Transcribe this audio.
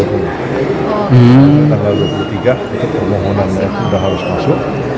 tanggal dua puluh tiga itu permohonannya sudah harus masuk